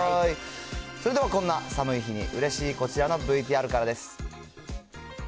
それでは、こんな寒い日にうれしい、こちらのＶＴＲからです。